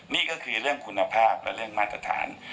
นี่ก็คือเรื่องคุณภาพและเรื่องมาตรฐาน